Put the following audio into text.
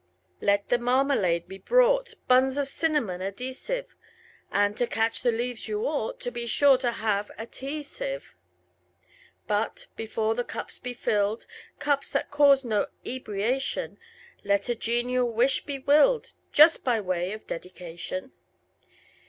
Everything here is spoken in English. Let the marmalade be brought, Buns of cinnamon adhesive; And, to catch the leaves, you ought To be sure to have the tea sieve. But, before the cups be filled Cups that cause no ebriation Let a genial wish be willed Just by way of dedication.